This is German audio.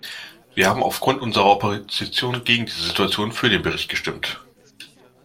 Wir haben aufgrund unserer Opposition gegen diese Situation für den Bericht gestimmt.